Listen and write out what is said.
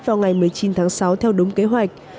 vào ngày một mươi chín tháng sáu theo đúng kế hoạch